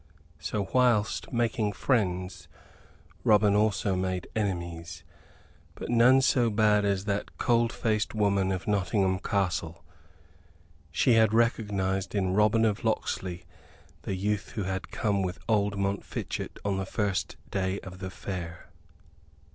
So, whilst making friends, Robin also made enemies: but none so bad as that cold faced woman of Nottingham Castle. She had recognized in Robin of Locksley the youth who had come with old Montfichet on the first day of the Fair.